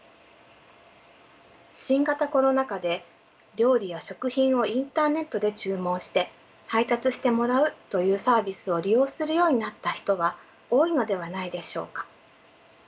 新型コロナ禍で料理や食品をインターネットで注文して配達してもらうというサービスを利用するようになった人は多いのではないでしょうか。